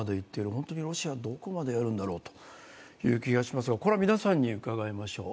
本当にロシアはどこまでやるんだろうという気がしますが、これは皆さんに伺いましょう。